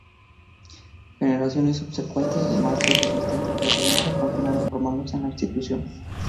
Generaciones subsecuentes de maestros de distinta procedencia continuaron formándose en la institución.